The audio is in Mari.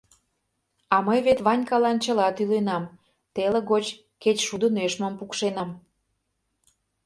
— А вет мый Ванькалан чыла тӱленам — теле гоч кечшудо нӧшмым пукшенам.